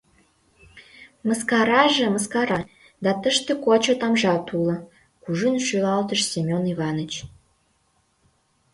— Мыскараже мыскара, да тыште кочо тамжат уло, — кужун шӱлалтыш Семён Иваныч.